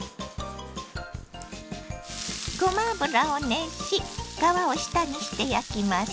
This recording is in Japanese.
ごま油を熱し皮を下にして焼きます。